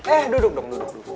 eh duduk dong